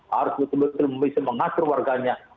harus betul betul bisa mengatur warganya